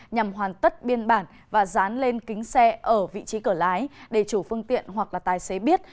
nhằm hoàn tất biên bản và dán lên kính xe ở vị trí cửa lái để chủ phương tiện hoặc là tài xế biết